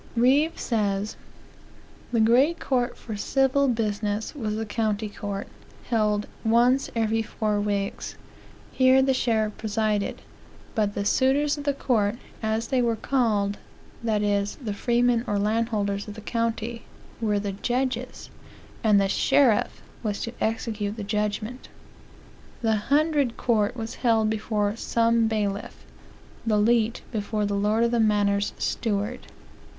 Reeve says: "The great court for civil business was the county court; held once every four weeks. Here the sheriff presided; but the suitors of the court, as they were called, that is, the freemen or landholders of the county, were the judges; and the sheriff was to execute the judgment. "The hundred court was held before some bailiff; the leet before the lord of the manor's steward.